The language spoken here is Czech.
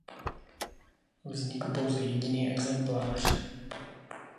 Vznikl pouze jediný exemplář.